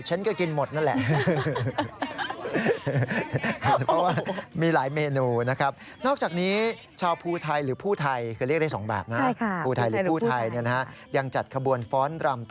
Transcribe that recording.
ใช่ค่ะชาวบ้านเค้าก็ถามว่า